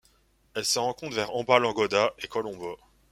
Elle se rencontre vers Ambalangoda et Colombo.